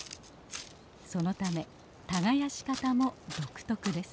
そのため耕し方も独特です。